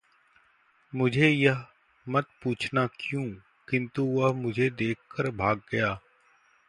मुझे यह मत पूछना क्यूँ, किन्तु वह मुझे देख कर भाग गया.